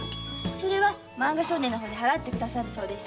それは「漫画少年」の方で払って下さるそうです。